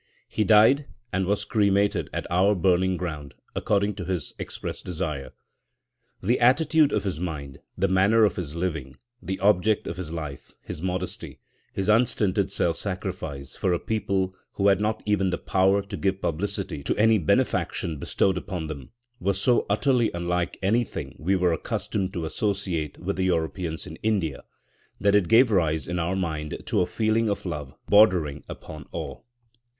He died, and was cremated at our burning ground, according to his express desire. The attitude of his mind, the manner of his living, the object of his life, his modesty, his unstinted self sacrifice for a people who had not even the power to give publicity to any benefaction bestowed upon them, were so utterly unlike anything we were accustomed to associate with the Europeans in India, that it gave rise in our mind to a feeling of love bordering upon awe.